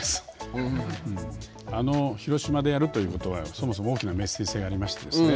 あの広島でやるということはそもそも大きなメッセージ性がありましてですね。